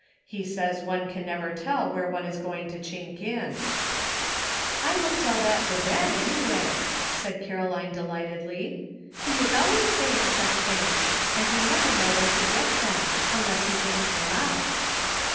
He says one can never tell where it is going to chink in." "I must tell that to Ben, any way," said Caroline delightedly; "he is always saying 252 LEARNING. such things, and we never know where he gets them, unless he thinks them out."